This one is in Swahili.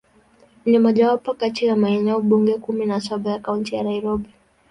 Ni mojawapo kati ya maeneo bunge kumi na saba ya Kaunti ya Nairobi.